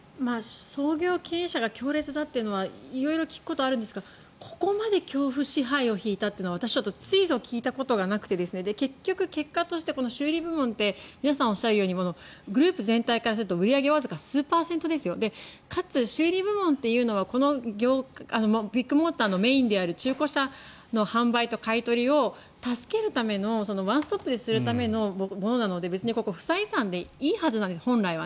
創業経営者が強烈だというのは色々聞くことあるんですがここまで恐怖支配を敷いたというのは私はついぞ聞いたことがなくて結局、結果として修理部門って皆さんおっしゃるようにグループ全体からすると売り上げわずか数パーセントですよかつ修理部門というのはビッグモーターのメインである中古車の販売と買い取りを助けるための、ワンストップにするためのものなので別に不採算でいいはずなんです本来。